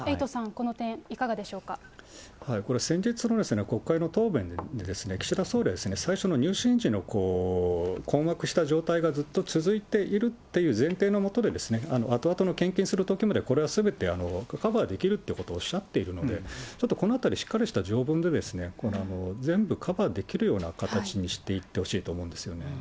これ先日の国会の答弁で、岸田総理は、最初の入信時の困惑した状態がずっと続いているっていう前提のもとで、あとあとの献金するときまで、これはすべてカバーできるっていうことをおっしゃっているので、ちょっとこのあたり、しっかりした条文で、全部カバーできるような形にしていってほしいと思うんですよね。